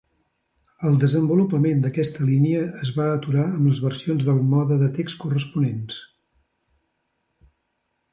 El desenvolupament d'aquesta línia es va aturar amb les versions del mode de text corresponents.